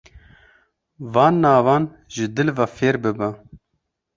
Van navan ji dil ve fêr bibe.